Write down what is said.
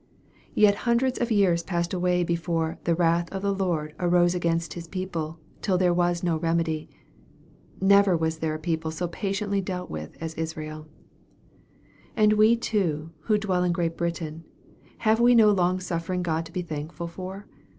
Yet hundreds of years passed away before " the wrath of the Lord arose against His people, till there was no remedy." Never was there a people so patiently dealt with as Israel. And we too, who dwell in Great Britain, have we no longsuffering of God to be thankful for